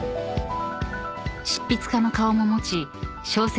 ［執筆家の顔も持ち小説の他